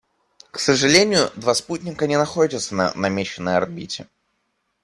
К сожалению, два спутника не находятся на намеченной орбите.